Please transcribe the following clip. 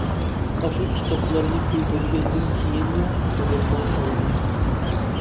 ئاشۇ كىتابلىرىنى كۆيدۈرگەندىن كېيىنلا بولالماي قالدى.